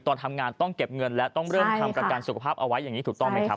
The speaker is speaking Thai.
ตอนทำงานต้องเก็บเงินและต้องเริ่มทำประกันสุขภาพเอาไว้อย่างนี้ถูกต้องไหมครับ